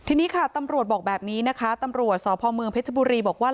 ทีนี้ค่ะตำรวจบอกแบบนี้นะคะตำรวจสพเมืองเพชรบุรีบอกว่า